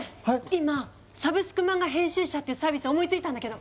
今「サブスクマンガ編集者」っていうサービス思いついたんだけど。